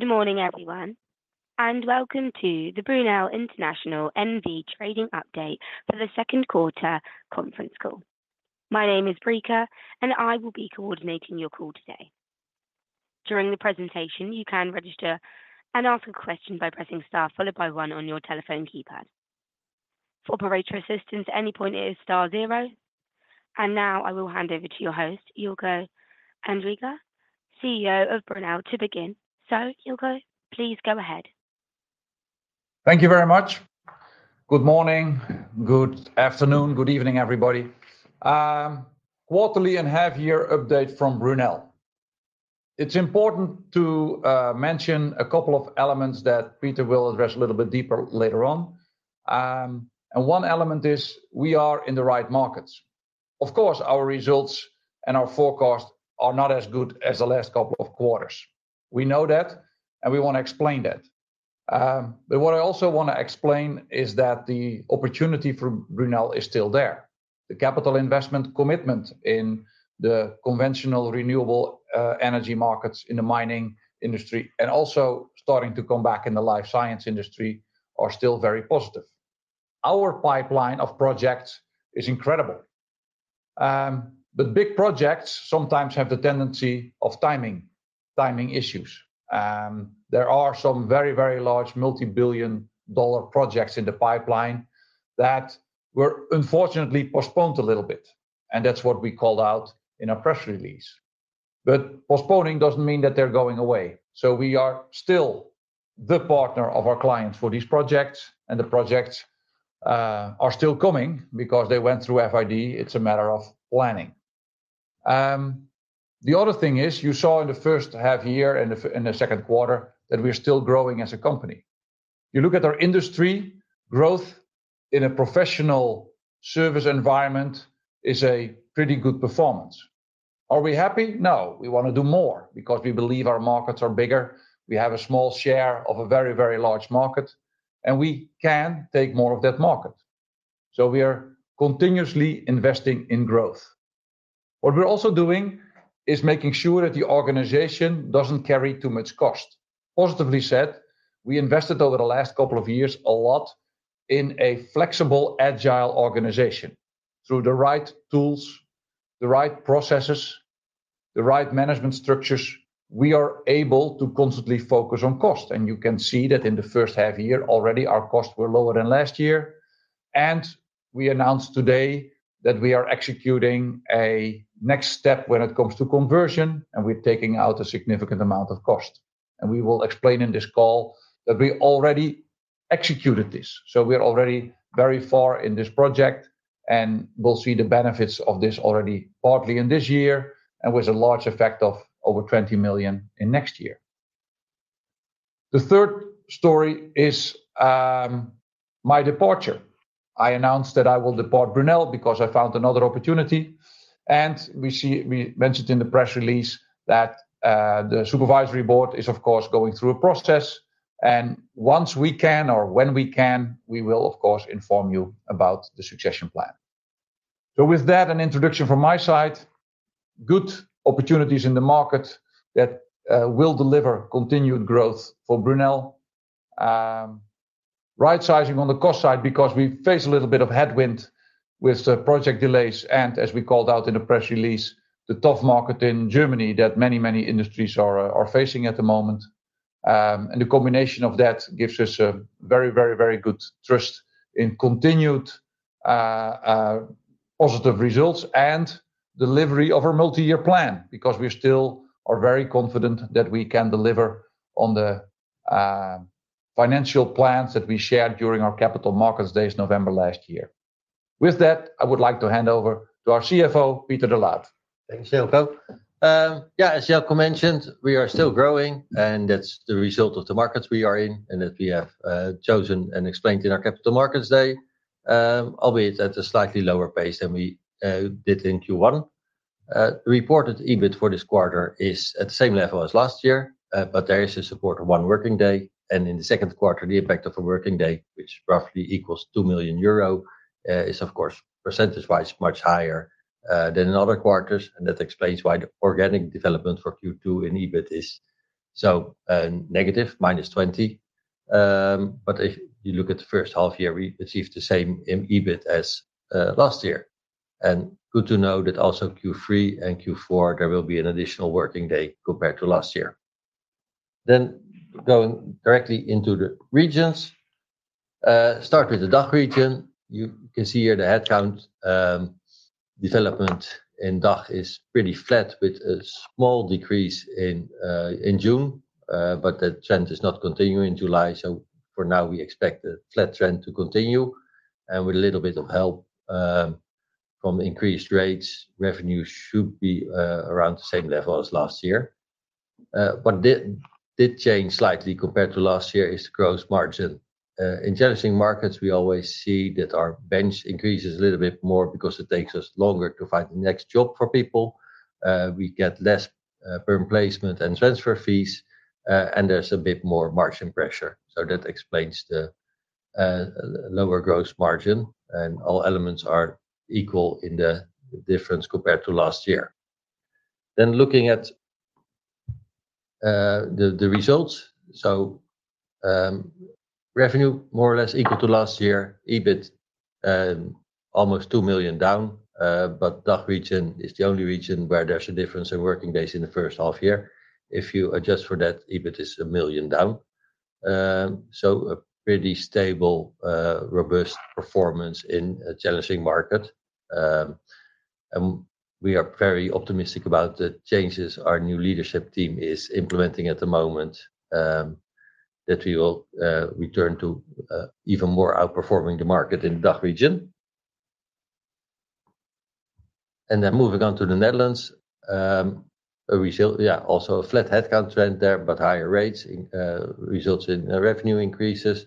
Good morning, everyone, and welcome to the Brunel International N.V. Trading Update for the second quarter conference call. My name is Brika, and I will be coordinating your call today. During the presentation, you can register and ask a question by pressing star followed by one on your telephone keypad. For operator assistance, any point is star zero. And now I will hand over to your host, Jilko Andringa, CEO of Brunel, to begin. So, Jilko, please go ahead. Thank you very much. Good morning, good afternoon, good evening, everybody. Quarterly and half-year update from Brunel. It's important to mention a couple of elements that Peter will address a little bit deeper later on. One element is we are in the right markets. Of course, our results and our forecast are not as good as the last couple of quarters. We know that, and we want to explain that. But what I also want to explain is that the opportunity for Brunel is still there. The capital investment commitment in the conventional, renewable energy markets, in the mining industry, and also starting to come back in the life science industry are still very positive. Our pipeline of projects is incredible. But big projects sometimes have the tendency of timing issues. There are some very, very large multi-billion dollar projects in the pipeline that were unfortunately postponed a little bit. That's what we called out in our press release. Postponing doesn't mean that they're going away. We are still the partner of our clients for these projects, and the projects are still coming because they went through FID. It's a matter of planning. The other thing is you saw in the first half year and the second quarter that we're still growing as a company. You look at our industry growth in a professional service environment is a pretty good performance. Are we happy? No. We want to do more because we believe our markets are bigger. We have a small share of a very, very large market, and we can take more of that market. We are continuously investing in growth. What we're also doing is making sure that the organization doesn't carry too much cost. Positively said, we invested over the last couple of years a lot in a flexible, agile organization. Through the right tools, the right processes, the right management structures, we are able to constantly focus on cost. You can see that in the first half year already our costs were lower than last year. We announced today that we are executing a next step when it comes to conversion, and we're taking out a significant amount of cost. We will explain in this call that we already executed this. We're already very far in this project, and we'll see the benefits of this already partly in this year and with a large effect of over 20 million in next year. The third story is my departure. I announced that I will depart Brunel because I found another opportunity. We mentioned in the press release that the Supervisory Board is, of course, going through a process. Once we can, or when we can, we will, of course, inform you about the succession plan. With that, an introduction from my side. Good opportunities in the market that will deliver continued growth for Brunel. Right-sizing on the cost side because we face a little bit of headwind with project delays. As we called out in the press release, the tough market in Germany that many, many industries are facing at the moment. The combination of that gives us a very, very, very good trust in continued positive results and delivery of our multi-year plan because we still are very confident that we can deliver on the financial plans that we shared during our Capital Markets Day November last year. With that, I would like to hand over to our CFO, Peter de Laat. Thanks, Jilko. Yeah, as Jilko mentioned, we are still growing, and that's the result of the markets we are in and that we have chosen and explained in our Capital Markets Day, albeit at a slightly lower pace than we did in Q1. The reported EBIT for this quarter is at the same level as last year, but there is a support of one working day. In the second quarter, the impact of a working day, which roughly equals 2 million euro, is, of course, percentage-wise much higher than in other quarters. That explains why the organic development for Q2 in EBIT is so negative, -20%. But if you look at the first half year, we achieved the same EBIT as last year. Good to know that also Q3 and Q4, there will be an additional working day compared to last year. Then going directly into the regions, start with the DACH region. You can see here the headcount development in DACH is pretty flat with a small decrease in June, but that trend is not continuing in July. So for now, we expect a flat trend to continue. And with a little bit of help from increased rates, revenues should be around the same level as last year. What did change slightly compared to last year is the gross margin. In challenging markets, we always see that our bench increases a little bit more because it takes us longer to find the next job for people. We get less per placement and transfer fees, and there's a bit more margin pressure. So that explains the lower gross margin. And all elements are equal in the difference compared to last year. Then looking at the results. So revenue more or less equal to last year. EBIT almost €2 million down. But DACH region is the only region where there's a difference in working days in the first half year. If you adjust for that, EBIT is 1 million down. So a pretty stable, robust performance in a challenging market. And we are very optimistic about the changes our new leadership team is implementing at the moment that we will return to even more outperforming the market in the DACH region. And then moving on to the Netherlands, yeah, also a flat headcount trend there, but higher rates results in revenue increases.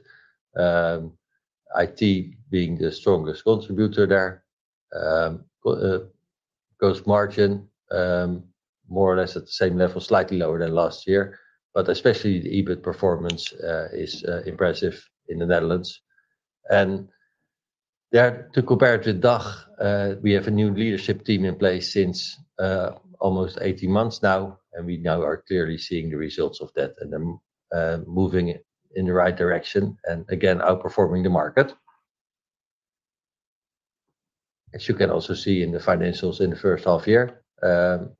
IT being the strongest contributor there. Gross margin more or less at the same level, slightly lower than last year. But especially the EBIT performance is impressive in the Netherlands. And to compare to DACH, we have a new leadership team in place since almost 18 months now. We now are clearly seeing the results of that and moving in the right direction and again outperforming the market. As you can also see in the financials in the first half year,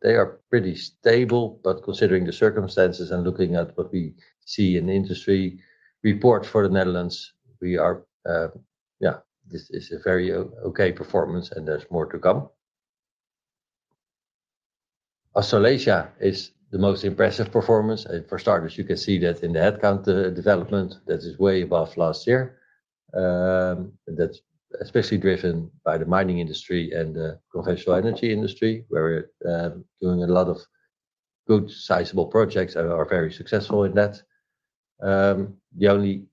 they are pretty stable. But considering the circumstances and looking at what we see in the industry report for the Netherlands, we are, yeah, this is a very okay performance and there's more to come. Australasia is the most impressive performance. For starters, you can see that in the headcount development that is way above last year. That's especially driven by the mining industry and the conventional energy industry where we're doing a lot of good, sizable projects and are very successful in that. The only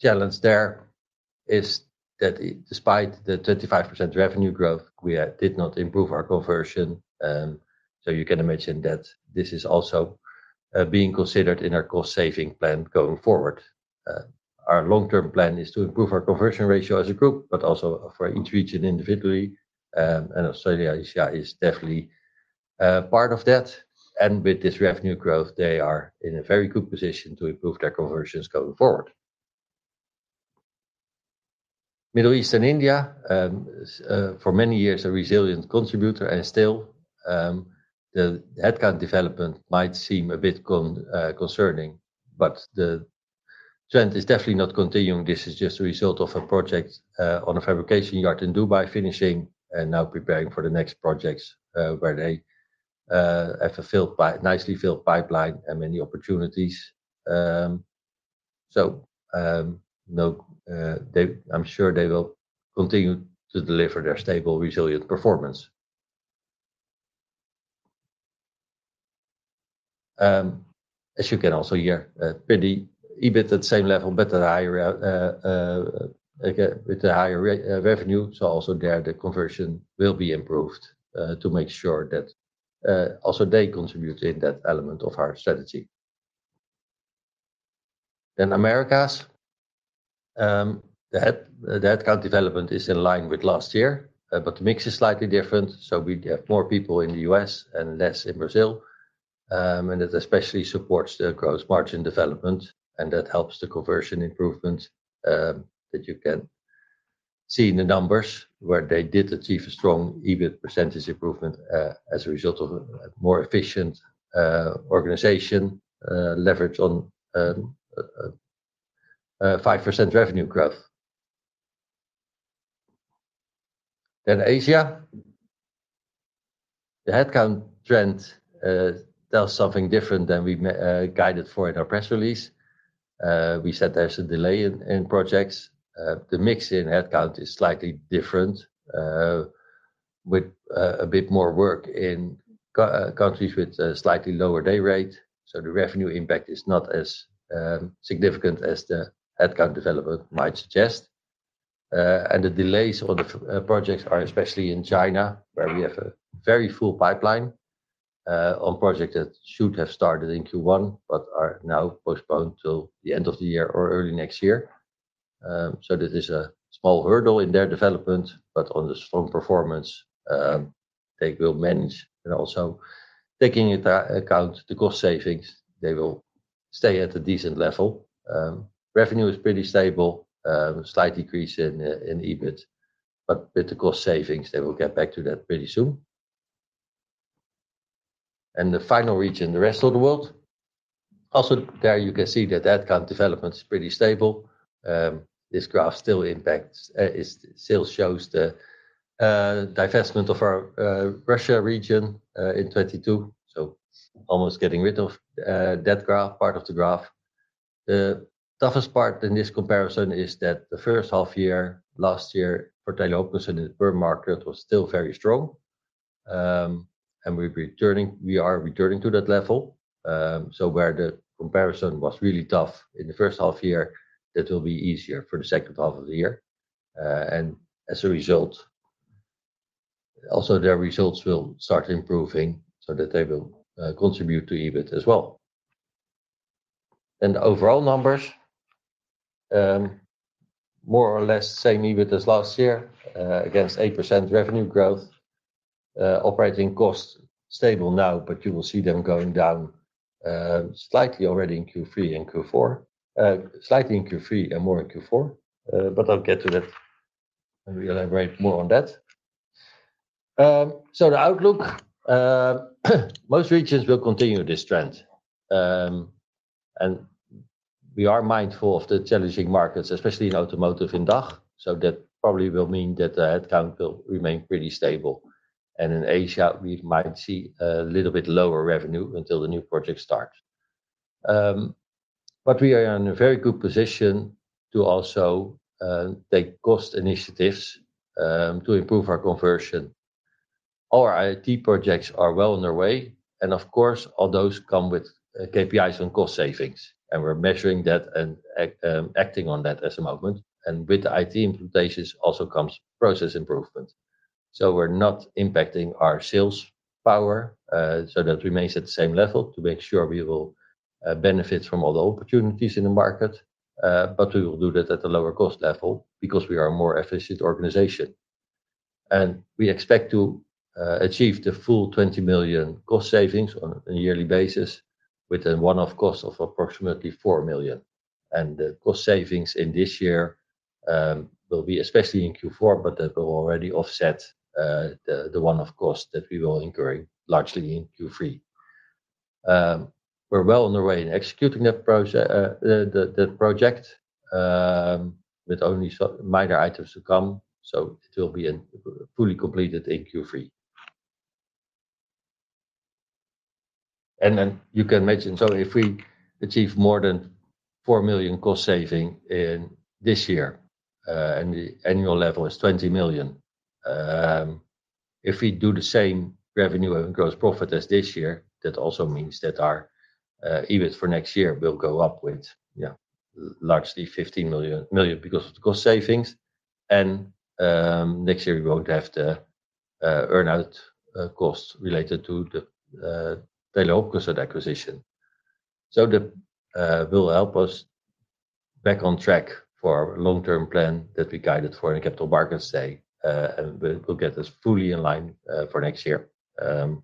challenge there is that despite the 25% revenue growth, we did not improve our conversion. So you can imagine that this is also being considered in our cost saving plan going forward. Our long-term plan is to improve our conversion ratio as a group, but also for each region individually. Australasia is definitely part of that. And with this revenue growth, they are in a very good position to improve their conversions going forward. Middle East and India, for many years, a resilient contributor. And still, the headcount development might seem a bit concerning, but the trend is definitely not continuing. This is just a result of a project on a fabrication yard in Dubai finishing and now preparing for the next projects where they have a nicely filled pipeline and many opportunities. So I'm sure they will continue to deliver their stable, resilient performance. As you can also hear, pretty EBIT at the same level, but with the higher revenue, so also there the conversion will be improved to make sure that also they contribute in that element of our strategy. Then Americas, the headcount development is in line with last year, but the mix is slightly different. So we have more people in the US and less in Brazil. And that especially supports the gross margin development. And that helps the conversion improvement that you can see in the numbers where they did achieve a strong EBIT percentage improvement as a result of a more efficient organization leveraged on five percent revenue growth. Then Asia, the headcount trend tells something different than we guided for in our press release. We said there's a delay in projects. The mix in headcount is slightly different with a bit more work in countries with a slightly lower day rate. So the revenue impact is not as significant as the headcount development might suggest. And the delays on the projects are especially in China where we have a very full pipeline on projects that should have started in Q1, but are now postponed till the end of the year or early next year. So this is a small hurdle in their development, but on the strong performance, they will manage. And also taking into account the cost savings, they will stay at a decent level. Revenue is pretty stable, slight decrease in EBIT, but with the cost savings, they will get back to that pretty soon. And the final region, the Rest of the World, also there you can see that headcount development is pretty stable. This graph still shows the divestment of our Russia region in 2022. So almost getting rid of that part of the graph. The toughest part in this comparison is that the first half year last year for telecoms and the perm market was still very strong. We are returning to that level. So where the comparison was really tough in the first half year, that will be easier for the second half of the year. As a result, also their results will start improving so that they will contribute to EBIT as well. Then the overall numbers, more or less same EBIT as last year against eight percent revenue growth. Operating costs stable now, but you will see them going down slightly already in Q3 and Q4, slightly in Q3 and more in Q4. But I'll get to that and we'll elaborate more on that. So the outlook, most regions will continue this trend. And we are mindful of the challenging markets, especially in automotive in DACH. So that probably will mean that the headcount will remain pretty stable. And in Asia, we might see a little bit lower revenue until the new projects start. But we are in a very good position to also take cost initiatives to improve our conversion. Our IT projects are well underway. And of course, all those come with KPIs on cost savings. And we're measuring that and acting on that as a movement. And with the IT implementations also comes process improvement. So we're not impacting our sales power. So that remains at the same level to make sure we will benefit from all the opportunities in the market. But we will do that at a lower cost level because we are a more efficient organization. We expect to achieve the full 20 million cost savings on a yearly basis with a one-off cost of approximately 4 million. The cost savings in this year will be especially in Q4, but that will already offset the one-off cost that we will incur largely in Q3. We're well underway in executing that project with only minor items to come. It will be fully completed in Q3. Then you can imagine if we achieve more than 4 million cost saving in this year and the annual level is 20 million. If we do the same revenue and gross profit as this year, that also means that our EBIT for next year will go up with, yeah, largely 15 million because of the cost savings. Next year, we won't have the earn-out cost related to the Telecom Consult acquisition. So that will help us back on track for our long-term plan that we guided for in Capital Markets Day. And we'll get us fully in line for next year. So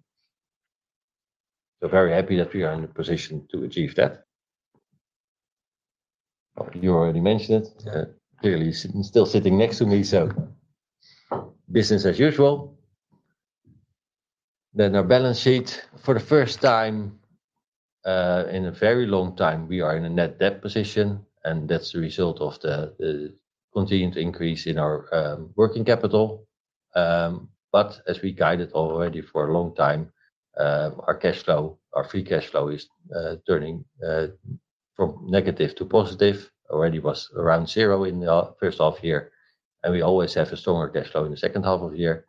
very happy that we are in a position to achieve that. You already mentioned it. Clearly, still sitting next to me. So business as usual. Then our balance sheet, for the first time in a very long time, we are in a net debt position. And that's the result of the continued increase in our working capital. But as we guided already for a long time, our cash flow, our free cash flow is turning from negative to positive. Already was around zero in the first half year. And we always have a stronger cash flow in the second half of year.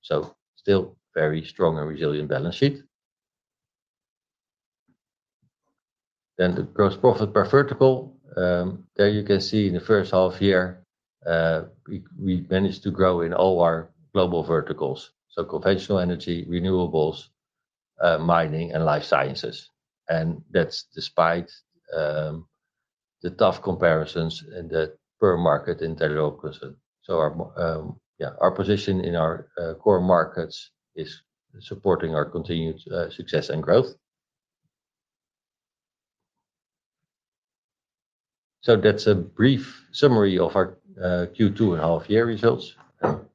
So still very strong and resilient balance sheet. Then the gross profit per vertical, there you can see in the first half year, we managed to grow in all our global verticals. So conventional energy, renewables, mining, and life sciences. And that's despite the tough comparisons in the perm market in telecoms. So our position in our core markets is supporting our continued success and growth. So that's a brief summary of our Q2 and half year results. Now,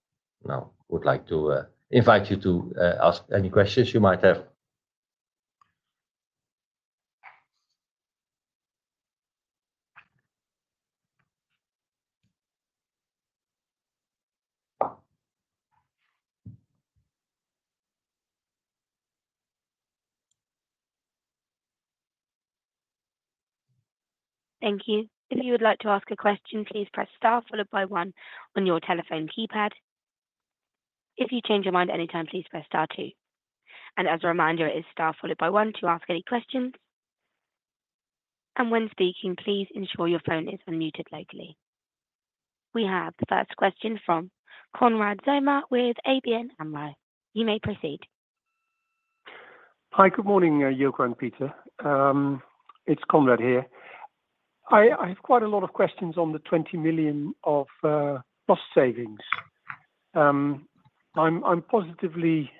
I would like to invite you to ask any questions you might have. Thank you. If you would like to ask a question, please press star followed by one on your telephone keypad. If you change your mind anytime, please press star two. And as a reminder, it is star followed by one to ask any questions. And when speaking, please ensure your phone is unmuted locally. We have the first question from Konrad Zomer with ABN AMRO. You may proceed. Hi, good morning, Jilko and Peter. It's Konrad here. I have quite a lot of questions on the 20 million of cost savings. I'm positively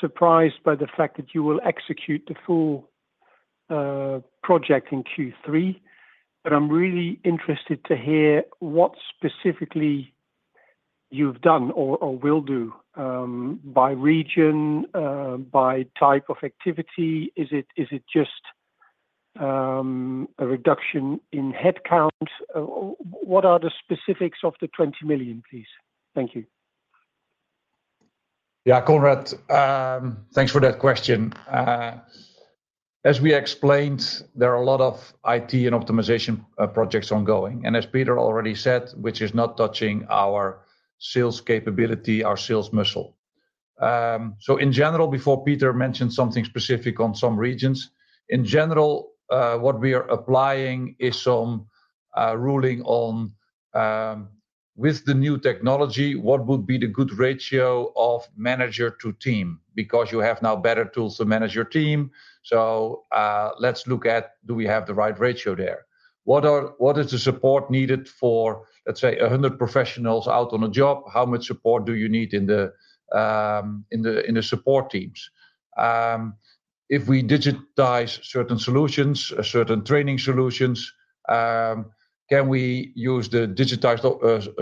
surprised by the fact that you will execute the full project in Q3. But I'm really interested to hear what specifically you've done or will do by region, by type of activity. Is it just a reduction in headcount? What are the specifics of the 20 million, please? Thank you. Yeah, Konrad, thanks for that question. As we explained, there are a lot of IT and optimization projects ongoing. As Peter already said, which is not touching our sales capability, our sales muscle. In general, before Peter mentioned something specific on some regions, in general, what we are applying is some ruling on with the new technology, what would be the good ratio of manager to team? Because you have now better tools to manage your team. Let's look at do we have the right ratio there. What is the support needed for, let's say, 100 professionals out on a job? How much support do you need in the support teams? If we digitize certain solutions, certain training solutions, can we use the digitized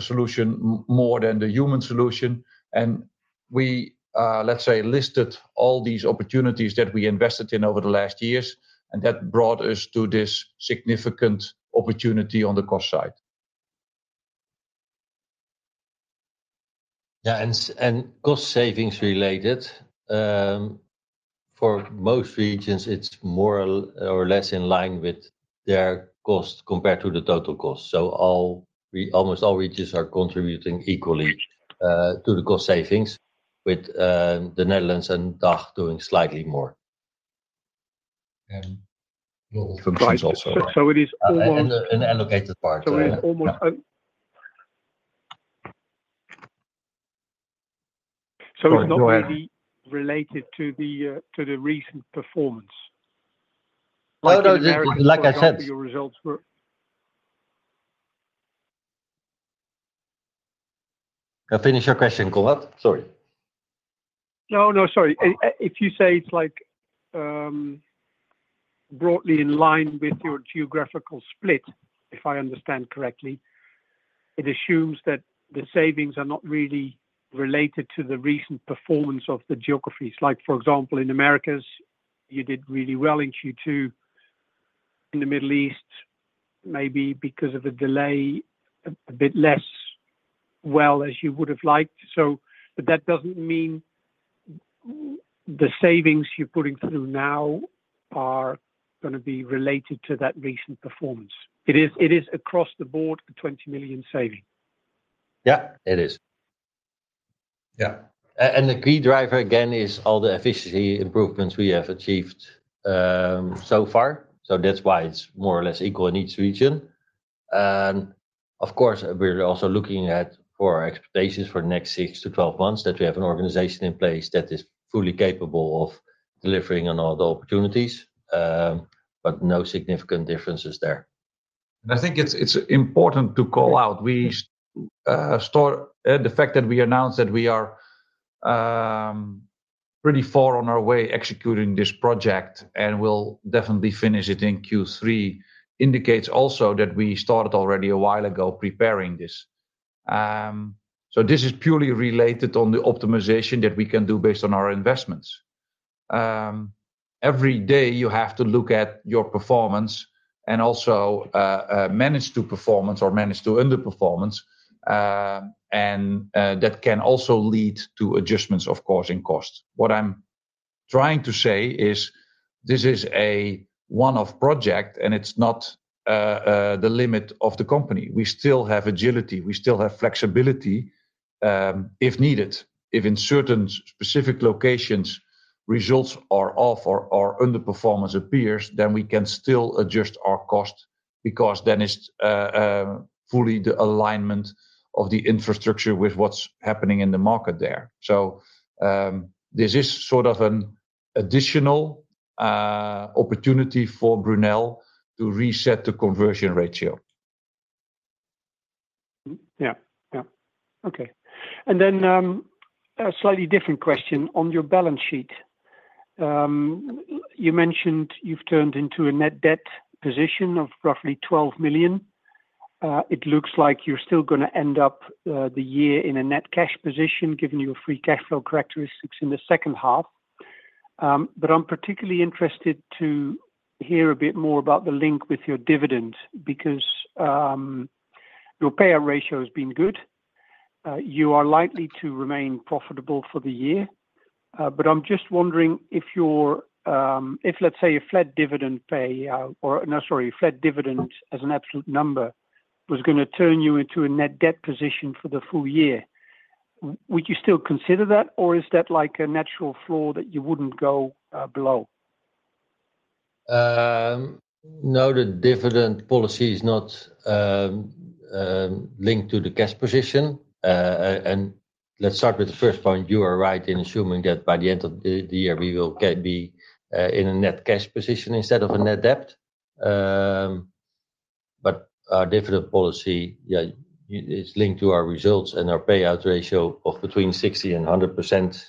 solution more than the human solution? And we, let's say, listed all these opportunities that we invested in over the last years. That brought us to this significant opportunity on the cost side. Yeah, and cost savings related, for most regions, it's more or less in line with their cost compared to the total cost. So almost all regions are contributing equally to the cost savings with the Netherlands and DACH doing slightly more. It is almost. It is almost. It's not really related to the recent performance. No, no, like I said. I finished your question, Konrad. Sorry. No, no, sorry. If you say it's broadly in line with your geographical split, if I understand correctly, it assumes that the savings are not really related to the recent performance of the geographies. Like, for example, in Americas, you did really well in Q2. In the Middle East, maybe because of a delay, a bit less well as you would have liked. But that doesn't mean the savings you're putting through now are going to be related to that recent performance. It is across the board a 20 million saving. Yeah, it is. Yeah. And the key driver again is all the efficiency improvements we have achieved so far. So that's why it's more or less equal in each region. And of course, we're also looking at for our expectations for the next 6-12 months that we have an organization in place that is fully capable of delivering on all the opportunities, but no significant differences there. I think it's important to call out the fact that we announced that we are pretty far on our way executing this project and will definitely finish it in Q3. It indicates also that we started already a while ago preparing this. So this is purely related on the optimization that we can do based on our investments. Every day, you have to look at your performance and also manage to performance or manage to underperformance. And that can also lead to adjustments, of course, in cost. What I'm trying to say is this is a one-off project and it's not the limit of the company. We still have agility. We still have flexibility if needed. If in certain specific locations, results are off or underperformance appears, then we can still adjust our cost because then it's fully the alignment of the infrastructure with what's happening in the market there. This is sort of an additional opportunity for Brunel to reset the conversion ratio. Yeah, yeah. Okay. And then a slightly different question on your balance sheet. You mentioned you've turned into a net debt position of roughly 12 million. It looks like you're still going to end up the year in a net cash position given your free cash flow characteristics in the second half. But I'm particularly interested to hear a bit more about the link with your dividends because your payout ratio has been good. You are likely to remain profitable for the year. But I'm just wondering if your, let's say, a flat dividend pay or, no, sorry, flat dividend as an absolute number was going to turn you into a net debt position for the full year, would you still consider that or is that like a natural floor that you wouldn't go below? No, the dividend policy is not linked to the cash position. Let's start with the first point. You are right in assuming that by the end of the year, we will be in a net cash position instead of a net debt. But our dividend policy, yeah, is linked to our results and our payout ratio of between 60%-100%.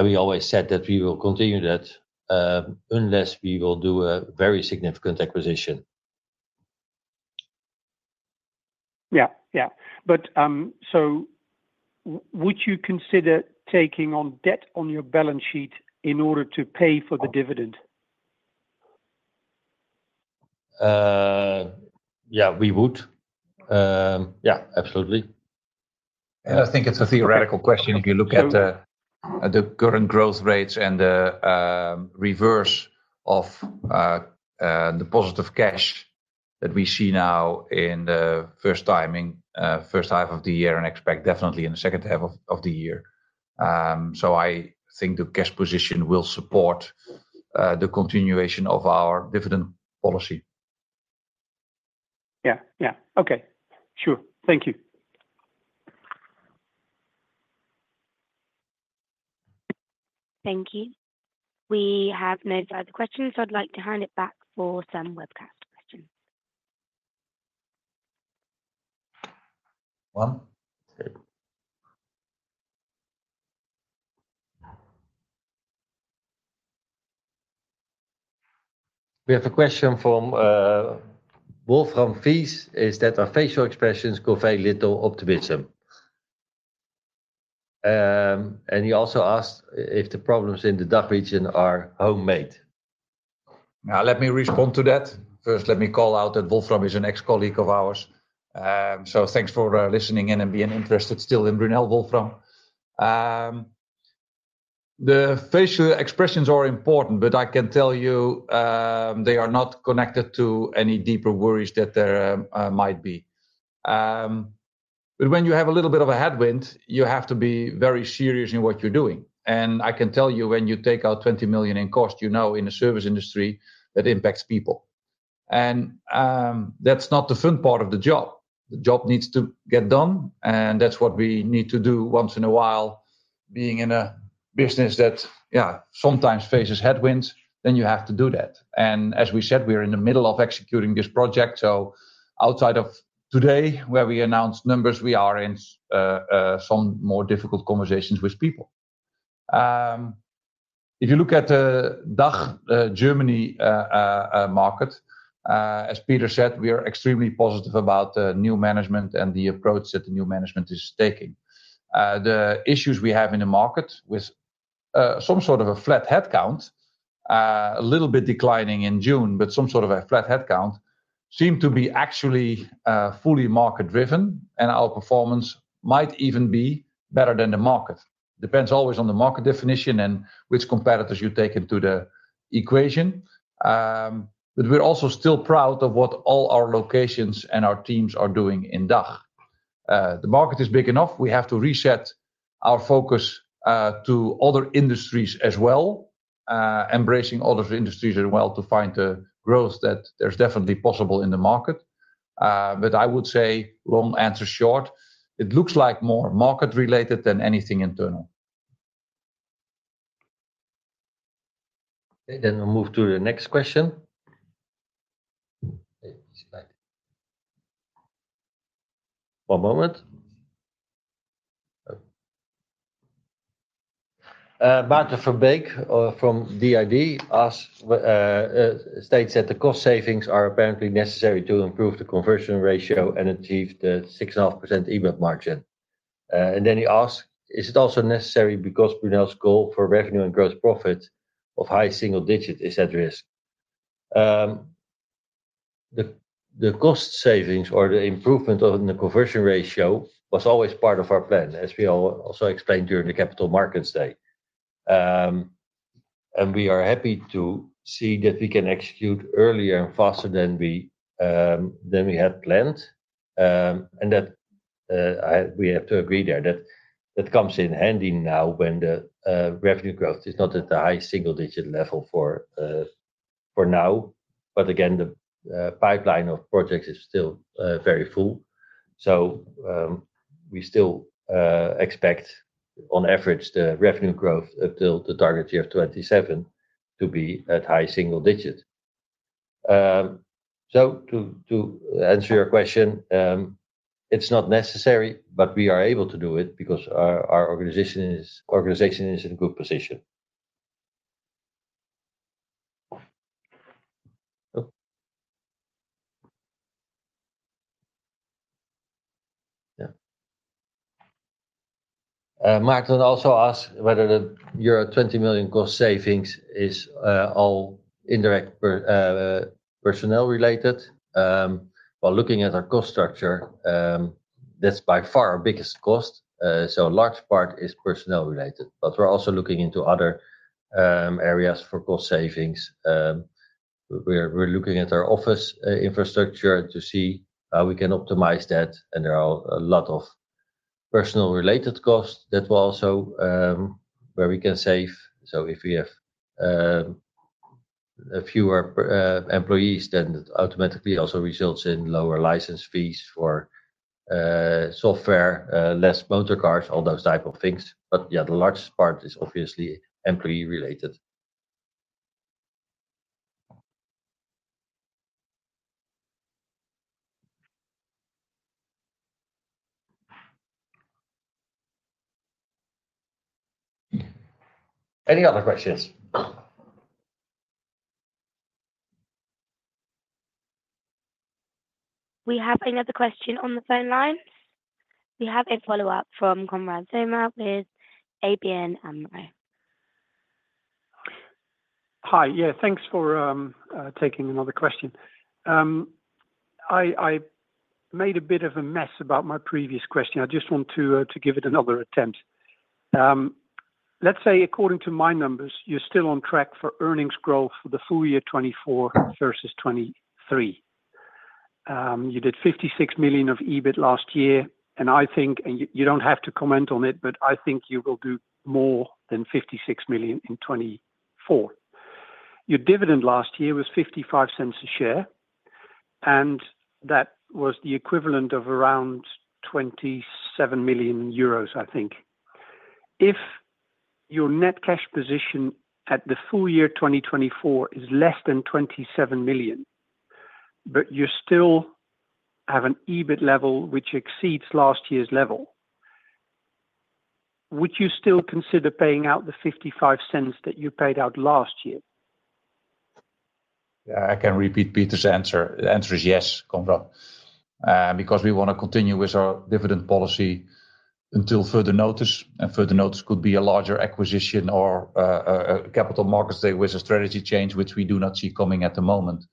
We always said that we will continue that unless we will do a very significant acquisition. Yeah, yeah. But so would you consider taking on debt on your balance sheet in order to pay for the dividend? Yeah, we would. Yeah, absolutely. I think it's a theoretical question if you look at the current growth rates and the reverse of the positive cash that we see now in the first half of the year and expect definitely in the second half of the year. I think the cash position will support the continuation of our dividend policy. Yeah, yeah. Okay. Sure. Thank you. Thank you. We have no further questions. I'd like to hand it back for some webcast questions. 1. We have a question from Wolfram Fels. Is that our facial expressions convey little optimism? And he also asked if the problems in the DACH region are homemade. Now, let me respond to that. First, let me call out that Wolfram is an ex-colleague of ours. So thanks for listening in and being interested still in Brunel, Wolfram. The facial expressions are important, but I can tell you they are not connected to any deeper worries that there might be. But when you have a little bit of a headwind, you have to be very serious in what you're doing. And I can tell you when you take out 20 million in cost, you know in a service industry that impacts people. And that's not the fun part of the job. The job needs to get done. And that's what we need to do once in a while, being in a business that, yeah, sometimes faces headwinds, then you have to do that. And as we said, we are in the middle of executing this project. Outside of today, where we announced numbers, we are in some more difficult conversations with people. If you look at the DACH Germany market, as Peter said, we are extremely positive about the new management and the approach that the new management is taking. The issues we have in the market with some sort of a flat headcount, a little bit declining in June, but some sort of a flat headcount seem to be actually fully market-driven. Our performance might even be better than the market. Depends always on the market definition and which competitors you take into the equation. We're also still proud of what all our locations and our teams are doing in DACH. The market is big enough. We have to reset our focus to other industries as well, embracing other industries as well to find the growth that there's definitely possible in the market. But I would say, long answer short, it looks like more market-related than anything internal. Okay, then we'll move to the next question. One moment. Maarten Verbeek from The Idea states that the cost savings are apparently necessary to improve the conversion ratio and achieve the 6.5% EBIT margin. And then he asks, is it also necessary because Brunel's goal for revenue and gross profit of high single digits is at risk? The cost savings or the improvement in the conversion ratio was always part of our plan, as we also explained during the Capital Markets Day. And we are happy to see that we can execute earlier and faster than we had planned. And we have to agree there that that comes in handy now when the revenue growth is not at the high single-digit level for now. But again, the pipeline of projects is still very full. So we still expect, on average, the revenue growth up till the target year 2027 to be at high single digits. So to answer your question, it's not necessary, but we are able to do it because our organization is in a good position. Yeah. Maarten also asked whether your euro 20 million cost savings is all indirect personnel-related. While looking at our cost structure, that's by far our biggest cost. So a large part is personnel-related. But we're also looking into other areas for cost savings. We're looking at our office infrastructure to see how we can optimize that. And there are a lot of personnel-related costs that we're also where we can save. So if we have fewer employees, then it automatically also results in lower license fees for software, less motor cars, all those types of things. But yeah, the largest part is obviously employee-related. Any other questions? We have another question on the phone line. We have a follow-up from Konrad Zomer with ABN AMRO. Hi, yeah, thanks for taking another question. I made a bit of a mess about my previous question. I just want to give it another attempt. Let's say, according to my numbers, you're still on track for earnings growth for the full year 2024 versus 2023. You did 56 million of EBIT last year. And I think, and you don't have to comment on it, but I think you will do more than 56 million in 2024. Your dividend last year was 0.55 a share. And that was the equivalent of around 27 million euros, I think. If your net cash position at the full year 2024 is less than 27 million, but you still have an EBIT level which exceeds last year's level, would you still consider paying out the 0.55 that you paid out last year? Yeah, I can repeat Peter's answer. The answer is yes, Konrad, because we want to continue with our dividend policy until further notice. Further notice could be a larger acquisition or a Capital Markets Day with a strategy change, which we do not see coming at the moment.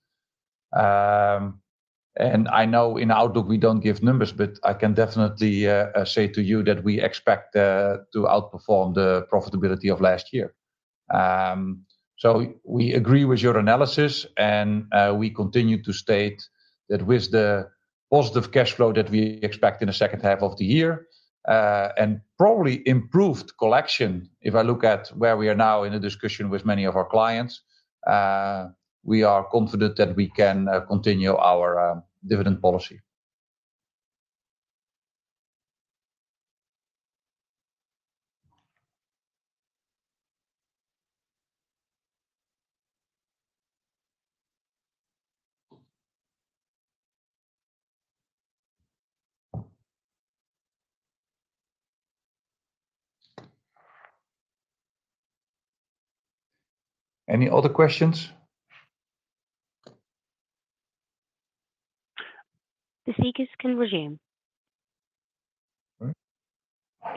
I know in Outlook we don't give numbers, but I can definitely say to you that we expect to outperform the profitability of last year. So we agree with your analysis. We continue to state that with the positive cash flow that we expect in the second half of the year and probably improved collection, if I look at where we are now in the discussion with many of our clients, we are confident that we can continue our dividend policy. Any other questions? The speakers can resume.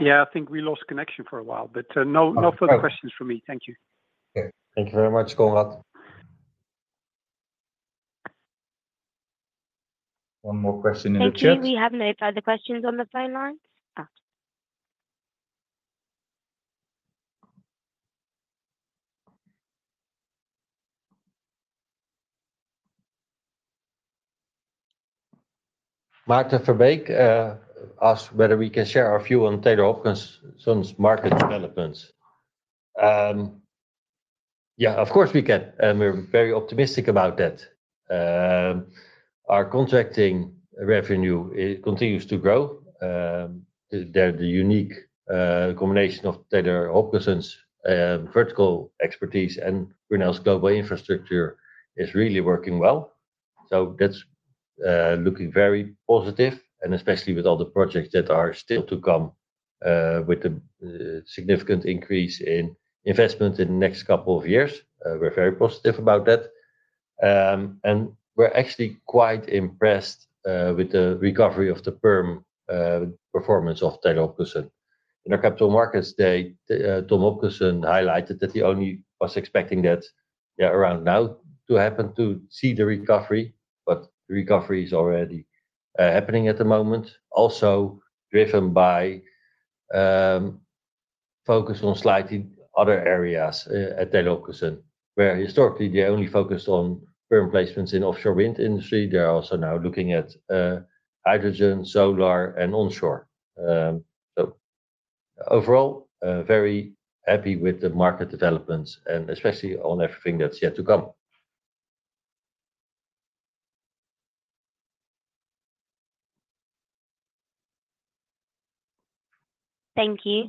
Yeah, I think we lost connection for a while, but no further questions from me. Thank you. Okay. Thank you very much, Konrad. One more question in the chat. I think we have no further questions on the phone lines. Maarten Verbeek asked whether we can share our view on Taylor Hopkinson's market developments. Yeah, of course we can. We're very optimistic about that. Our contracting revenue continues to grow. The unique combination of Taylor Hopkinson's vertical expertise and Brunel's global infrastructure is really working well. That's looking very positive, and especially with all the projects that are still to come with a significant increase in investment in the next couple of years. We're very positive about that. We're actually quite impressed with the recovery of the perm performance of Taylor Hopkinson. In our Capital Markets Day, Tom Hopkinson highlighted that he only was expecting that, yeah, around now to happen to see the recovery. The recovery is already happening at the moment, also driven by focus on slightly other areas at Taylor Hopkinson, where historically they only focused on perm placements in offshore wind industry. They're also now looking at hydrogen, solar, and onshore. So overall, very happy with the market developments and especially on everything that's yet to come. Thank you.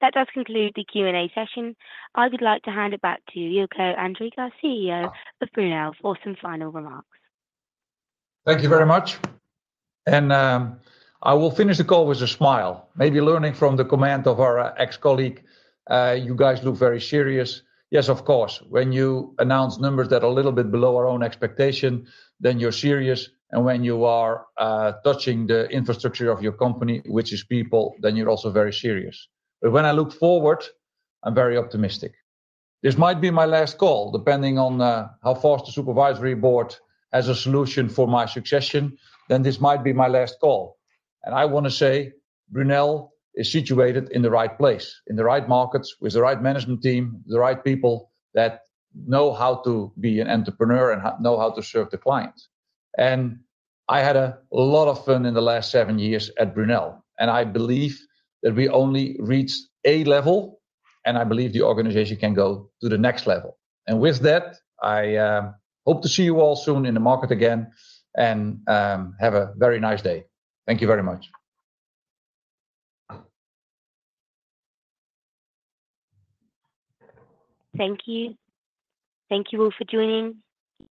That does conclude the Q&A session. I would like to hand it back to Jilko Andringa, CEO of Brunel, for some final remarks. Thank you very much. And I will finish the call with a smile, maybe learning from the comment of our ex-colleague. You guys look very serious. Yes, of course. When you announce numbers that are a little bit below our own expectation, then you're serious. And when you are touching the infrastructure of your company, which is people, then you're also very serious. But when I look forward, I'm very optimistic. This might be my last call, depending on how fast the Supervisory Board has a solution for my succession, then this might be my last call. And I want to say Brunel is situated in the right place, in the right markets, with the right management team, the right people that know how to be an entrepreneur and know how to serve the client. And I had a lot of fun in the last seven years at Brunel. I believe that we only reached A level, and I believe the organization can go to the next level. With that, I hope to see you all soon in the market again and have a very nice day. Thank you very much. Thank you. Thank you all for joining.